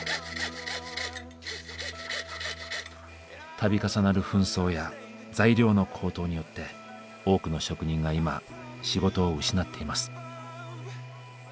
度重なる紛争や材料の高騰によって多くの職人が今仕事を失っています。